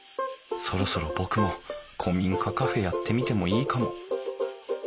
そろそろ僕も古民家カフェやってみてもいいかも。